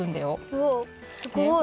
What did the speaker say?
おすごい。